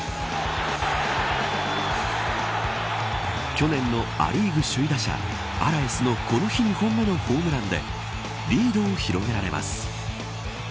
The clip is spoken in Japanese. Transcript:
去年のア・リーグ首位打者アラエスのこの日２本目のホームランでリードを広げられます。